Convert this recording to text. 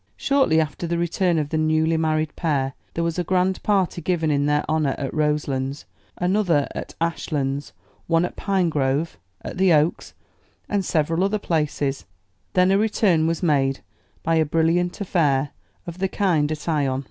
Shortly after the return of the newly married pair, there was a grand party given in their honor at Roselands; another at Ashlands, one at Pinegrove, at the Oaks, and several other places; then a return was made by a brilliant affair of the kind at Ion.